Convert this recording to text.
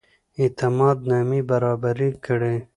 اعتماد نامې برابري کړي.